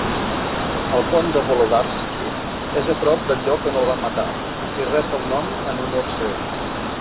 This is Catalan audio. El pont de Volodarsky és a prop del lloc on el van matar i rep el nom en honor seu.